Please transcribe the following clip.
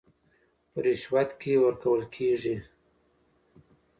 په رشوت کې ورکول کېږي